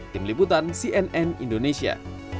tim liputan cnn indonesia